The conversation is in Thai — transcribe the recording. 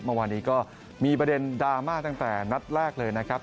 เมื่อวานนี้ก็มีประเด็นดราม่าตั้งแต่นัดแรกเลยนะครับ